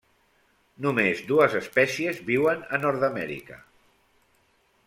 Només dues espècies viuen a Nord-amèrica.